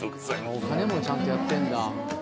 お金もちゃんとやってんだ？